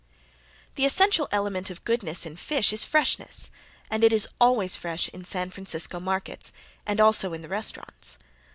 The essential element of goodness in fish is freshness, and it is always fresh in San Francisco markets, and also in the restaurants.